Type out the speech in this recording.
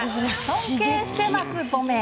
尊敬してます褒め。